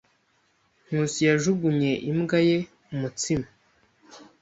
Nkusi yajugunye imbwa ye umutsima.